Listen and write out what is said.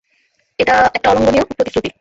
একটা অলঙ্ঘনীয় প্রতিশ্রুতি।